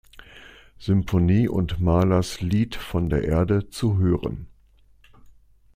Symphonie und Mahlers „Lied von der Erde“ zu hören.